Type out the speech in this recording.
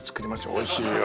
おいしいよ。